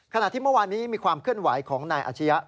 ขณะที่เมื่อวานนี้มีความเคลื่อนไหวของนายอาชียะ